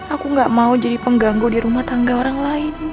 aku gak mau jadi pengganggu di rumah tangga orang lain